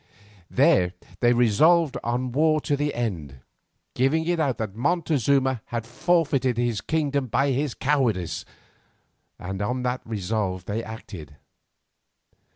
There they resolved on war to the end, giving it out that Montezuma had forfeited his kingdom by his cowardice, and on that resolve they acted.